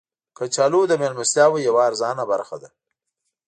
کچالو د میلمستیاو یوه ارزانه برخه ده